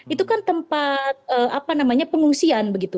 itu kan tempat pengungsian